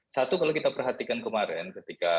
satu kalau kita perhatikan kemarin ketika